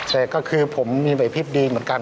แต่ก็คือผมมีแบบอภิพธิ์ดีเหมือนกัน